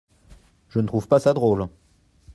Je ne trouve pas ça drôle !